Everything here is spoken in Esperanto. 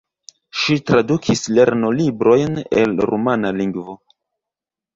Ŝi tradukis lernolibrojn el rumana lingvo.